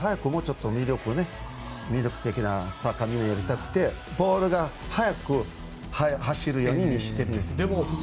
魅力的なサッカーをやりたくてボールが速く走るようにしてるんです。